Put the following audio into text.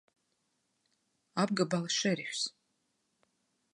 Apgabala šerifs!